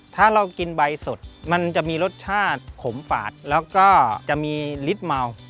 ถ้ากินใบสดมันจะมีรสชาติขมฝาดและจีนมะนิด